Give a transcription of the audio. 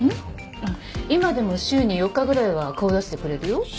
あっ今でも週に４日ぐらいは顔出してくれるよ。